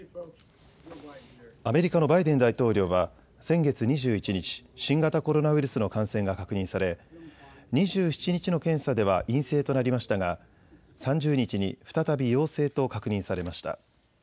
アメリカのバイデン大統領は先月２１日、新型コロナウイルスの感染が確認され２７日の検査では陰性となりましたが３０日に再び陽性と確認されました。